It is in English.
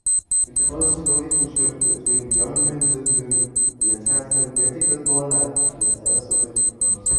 A close relationship between "Yunnanozoon" and the taxon Vetulicolia has also been proposed.